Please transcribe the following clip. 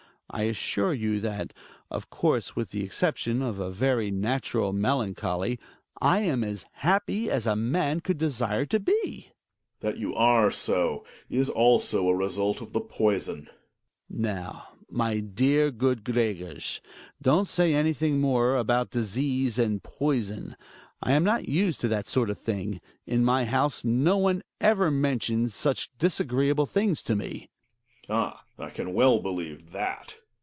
I assure you that — ©i course, with the exception of a very natural melancholy — I am as happy as a man could desire to be. Grege rs. T hat you are so, is alBO a result of the p oison, j Hjalmar. Now, my dear, good Gregers, don't say anything more about disease and poison; I'm not used to that sort of thing; in my ho use no one ever mentions such disasrreeable things to me. 4^ f>J if^l)4 Gregers. Ah ! I can well believe that